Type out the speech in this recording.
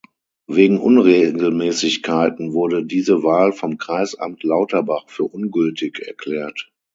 Wegen Unregelmäßigkeiten wurde diese Wahl vom Kreisamt Lauterbach für ungültig erklärt.